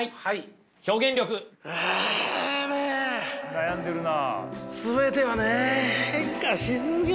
悩んでるな。